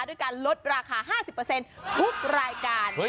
ด้วยการลดราคา๕๐ทุกรายการ